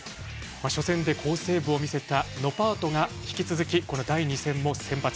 初戦で好セーブを見せたノパートが引き続き第２戦も先発。